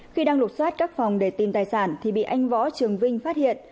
khi đang lục xoát các phòng để tìm tài sản thì bị anh võ trường vinh phát hiện